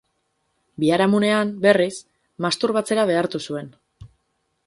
Biharamunean, berriz, masturbatzera behartu zuen.